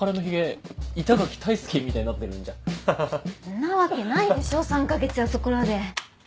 んなわけないでしょ３か月やそこらで。